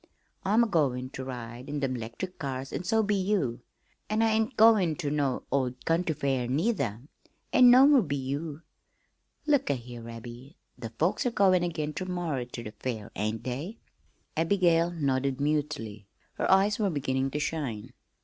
I'm agoin' ter ride in them 'lectric cars, an' so be you. An' I ain't goin' ter no old country fair, neither, an' no more be you. Look a' here, Abby, the folks are goin' again ter morrer ter the fair, ain't they?" Abigail nodded mutely. Her eyes were beginning to shine.